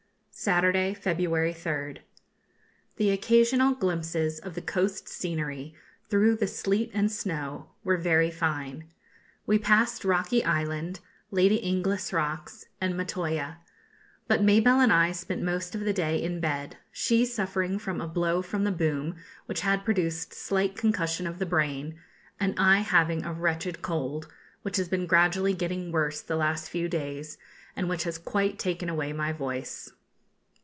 _ Saturday, February 3rd. The occasional glimpses of the coast scenery through the sleet and snow were very fine. We passed Rocky Island, Lady Inglis rocks, and Matoya. But Mabelle and I spent most of the day in bed; she suffering from a blow from the boom, which had produced slight concussion of the brain, and I having a wretched cold, which has been gradually getting worse the last few days, and which has quite taken away my voice.